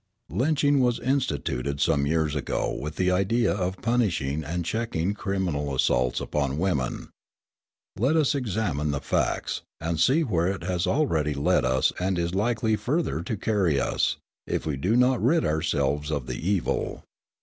Lynching was instituted some years ago with the idea of punishing and checking criminal assaults upon women. Let us examine the facts, and see where it has already led us and is likely further to carry us, if we do not rid ourselves of the evil.